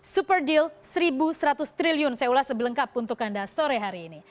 super deal rp satu seratus triliun saya ulas sebelengkap untuk anda sore hari ini